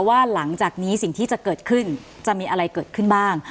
ว่าหลังจากนี้สิ่งที่จะเกิดขึ้นจะมีอะไรเกิดขึ้นบ้าง